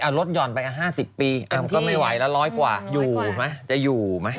อ่ะรถหย่อนไปแล้ว๕๐ปีอะมก็ไม่ไหวละร้อยกว่าจะอยู่ไหม